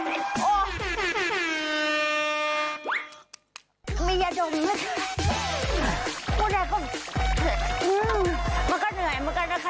เออโอ๊ยมียะดมมืดคุณแดกก็มันก็เหนื่อยเหมือนกันนะคะ